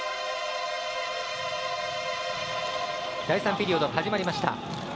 第３ピリオド始まりました。